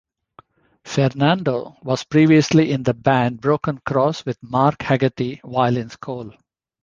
Ferrando was previously in the band Broken Cross with Mark Haggerty while in school.